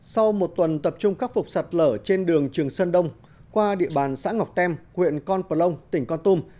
sau một tuần tập trung khắc phục sạt lở trên đường trường sơn đông qua địa bàn xã ngọc tem huyện con pà long tỉnh con tôm